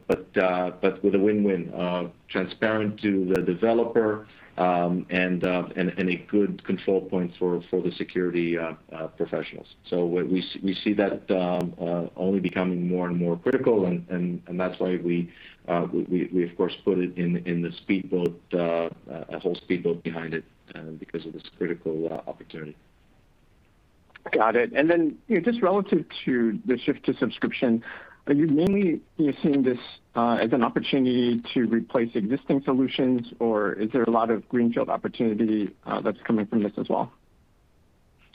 with a win-win, transparent to the developer, and a good control point for the security professionals. We see that only becoming more and more critical, and that's why we of course put it in the Speedboat, a whole Speedboat behind it, because of this critical opportunity.
Got it. Then, just relative to the shift to subscription, are you mainly seeing this as an opportunity to replace existing solutions, or is there a lot of greenfield opportunity that's coming from this as well?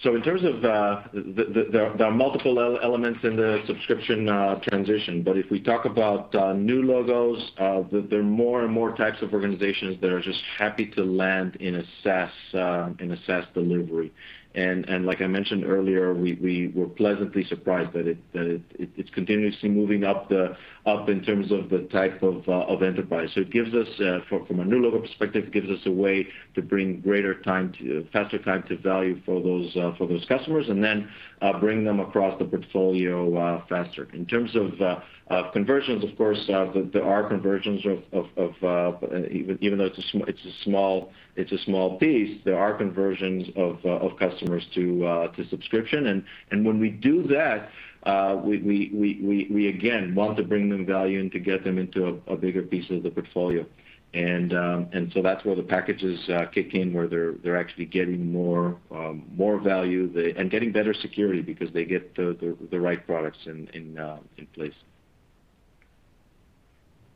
In terms of there are multiple elements in the subscription transition, but if we talk about new logos, there are more and more types of organizations that are just happy to land in a SaaS delivery. Like I mentioned earlier, we were pleasantly surprised that it's continuously moving up in terms of the type of enterprise. It gives us, from a new logo perspective, it gives us a way to bring faster time to value for those customers and then bring them across the portfolio faster. In terms of conversions, of course, there are conversions of, even though it's a small piece, there are conversions of customers to subscription. When we do that, we, again, want to bring them value and to get them into a bigger piece of the portfolio. That's where the packages kick in, where they're actually getting more value, and getting better security because they get the right products in place.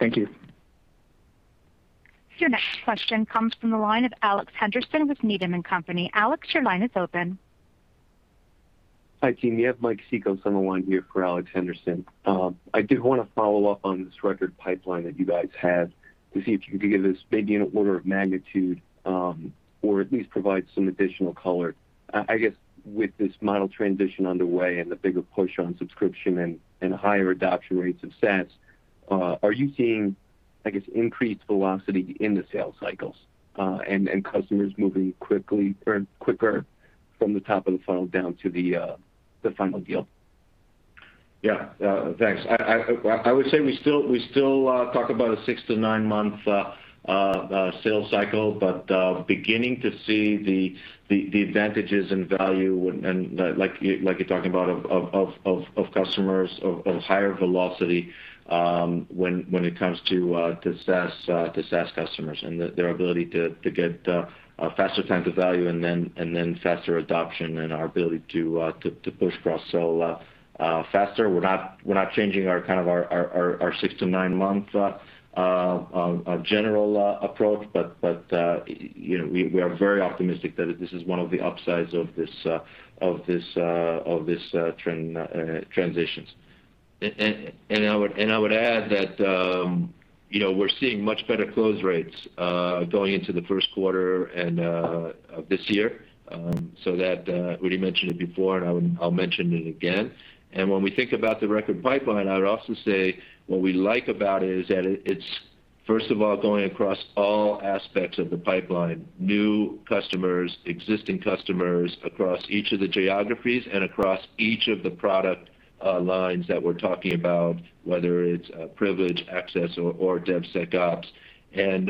Thank you.
Your next question comes from the line of Alex Henderson with Needham & Company. Alex, your line is open.
Hi, team. You have Mike Cikos on the line here for Alex Henderson. I did want to follow up on this record pipeline that you guys have to see if you could give us maybe in order of magnitude, or at least provide some additional color. I guess, with this model transition underway and the bigger push on subscription and higher adoption rates of SaaS. Are you seeing, I guess, increased velocity in the sales cycles, and customers moving quicker from the top of the funnel down to the final deal?
Yeah. Thanks. I would say we still talk about a six to nine-month sales cycle, but beginning to see the advantages in value and like you're talking about of customers, of higher velocity when it comes to SaaS customers, and their ability to get a faster time to value and then faster adoption and our ability to push cross-sell faster. We're not changing our six to nine-month general approach, but we are very optimistic that this is one of the upsides of these transitions.
I would add that we're seeing much better close rates going into the first quarter of this year. So that, Udi mentioned it before, and I'll mention it again. When we think about the record pipeline, I would also say what we like about it is that it's first of all going across all aspects of the pipeline, new customers, existing customers, across each of the geographies, and across each of the product lines that we're talking about, whether it's Privilege, Access or DevSecOps.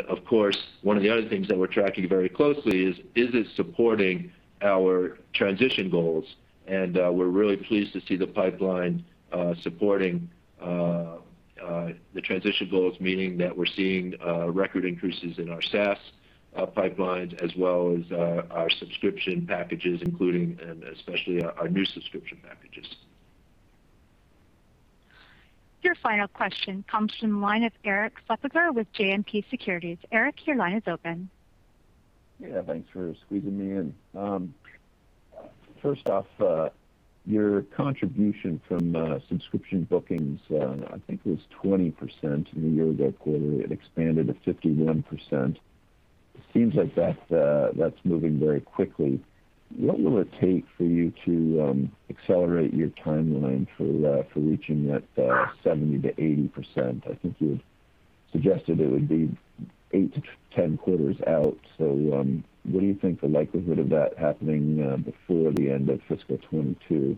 Of course, one of the other things that we're tracking very closely is it supporting our transition goals? We're really pleased to see the pipeline supporting the transition goals, meaning that we're seeing record increases in our SaaS pipelines as well as our subscription packages including, and especially our new subscription packages.
Your final question comes from the line of Erik Suppiger with JMP Securities. Erik, your line is open.
Yeah, thanks for squeezing me in. First off, your contribution from subscription bookings, I think it was 20% in the year ago quarter. It expanded to 51%. It seems like that's moving very quickly. What will it take for you to accelerate your timeline for reaching that 70%-80%? I think you had suggested it would be 8-10 quarters out. What do you think the likelihood of that happening before the end of fiscal 2022?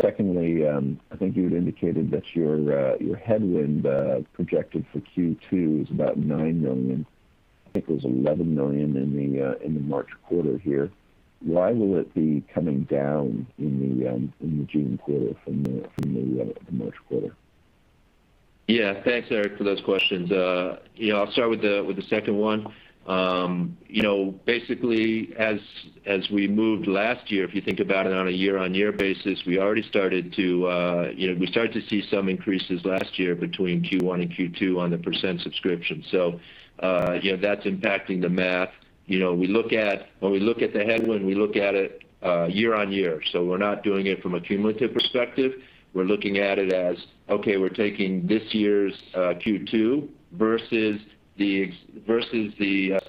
Secondly, I think you had indicated that your headwind projected for Q2 is about $9 million. I think it was $11 million in the March quarter here. Why will it be coming down in the June quarter from the March quarter?
Thanks, Erik, for those questions. I'll start with the second one. Basically, as we moved last year, if you think about it on a year-on-year basis, we started to see some increases last year between Q1 and Q2 on the percent subscription. That's impacting the math. When we look at the headwind, we look at it year-on-year. We're not doing it from a cumulative perspective. We're looking at it as, okay, we're taking this year's Q2 versus the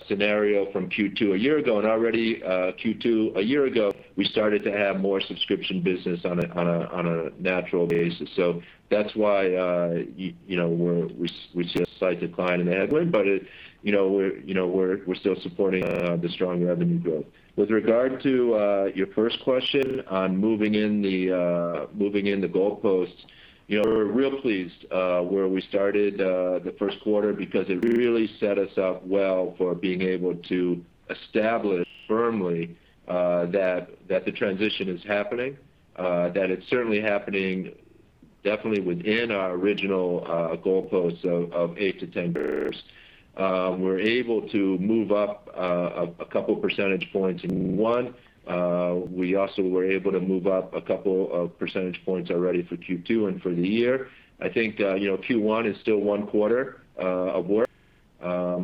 scenario from Q2 a year ago. Already, Q2 a year ago, we started to have more subscription business on a natural basis. That's why we see a slight decline in the headwind, but we're still supporting the strong revenue growth. With regard to your first question on moving in the goalposts. We're real pleased where we started the first quarter because it really set us up well for being able to establish firmly that the transition is happening, that it's certainly happening definitely within our original goalposts of 8-10 quarters. We're able to move up a couple percentage points in one. We also were able to move up a couple of percentage points already for Q2 and for the year. I think Q1 is still one quarter of work. We'll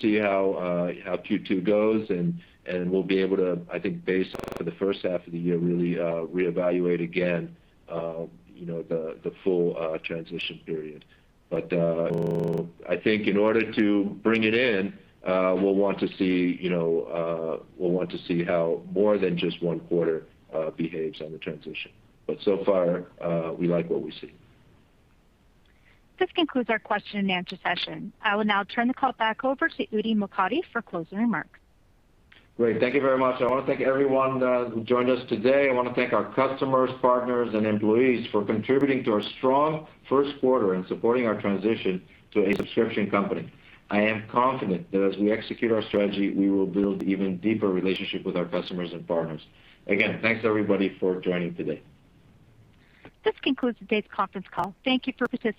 see how Q2 goes, and we'll be able to, I think based on the first half of the year, really reevaluate again the full transition period. I think in order to bring it in, we'll want to see how more than just one quarter behaves on the transition. So far, we like what we see.
This concludes our question and answer session. I will now turn the call back over to Udi Mokady for closing remarks.
Great. Thank you very much. I want to thank everyone who joined us today. I want to thank our customers, partners, and employees for contributing to our strong first quarter and supporting our transition to a subscription company. I am confident that as we execute our strategy, we will build even deeper relationship with our customers and partners. Again, thanks everybody for joining today.
This concludes today's conference call. Thank you for participating.